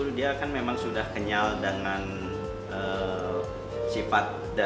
karena kalau misalnya kita menggunakan kue tiaw kita bisa menggunakan kue tiaw